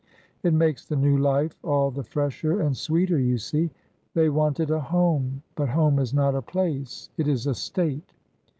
It makes the new life all the fresher and sweeter, you see. They wanted a home; but home is not a place, it is a state.